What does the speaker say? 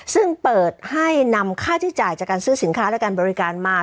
ซึ่งเปิดให้นำค่าใช้จ่ายจากการซื้อสินค้าและการบริการมา